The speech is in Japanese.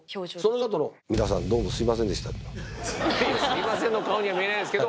そのあとのすいませんの顔には見えないですけど。